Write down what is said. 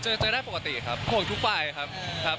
เจอได้ปกติครับโผล่ทุกฝ่ายครับ